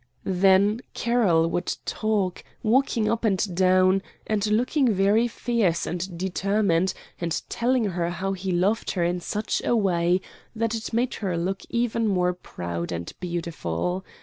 Then Carroll would talk, walking up and down, and looking very fierce and determined, and telling her how he loved her in such a way that it made her look even more proud and beautiful.